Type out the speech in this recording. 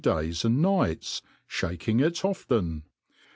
409 days and nights, (baking it often.